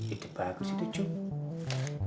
itu bagus itu jum